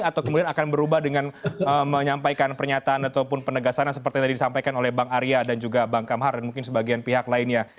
atau kemudian akan berubah dengan menyampaikan pernyataan ataupun penegasan seperti yang tadi disampaikan oleh bang arya dan juga bang kamhar dan mungkin sebagian pihak lainnya